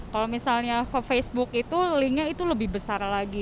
kalau misalnya ke facebook itu linknya itu lebih besar lagi